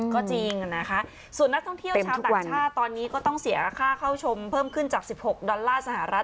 ก็จริงนะคะส่วนนักท่องเที่ยวชาวต่างชาติตอนนี้ก็ต้องเสียค่าเข้าชมเพิ่มขึ้นจาก๑๖ดอลลาร์สหรัฐ